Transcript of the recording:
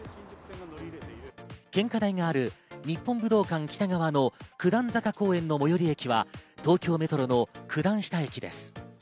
献花台がある日本武道館北側の九段坂公園の最寄り駅は東京メトロの九段下駅です。